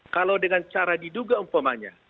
kalau dengan cara diduga umpamanya